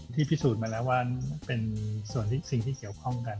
พิสูจน์มาแล้วว่าเป็นส่วนที่สิ่งที่เกี่ยวข้องกัน